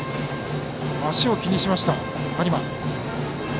足を気にしました、有馬。